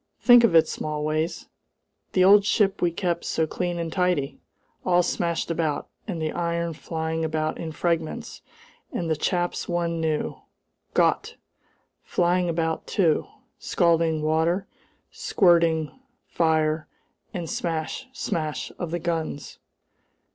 "Think of it, Smallways! The old ship we kept so clean and tidy! All smashed about, and the iron flying about in fragments, and the chaps one knew Gott! flying about too! Scalding water squirting, fire, and the smash, smash of the guns!